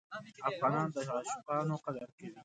افغانان د عاشقانو قدر کوي.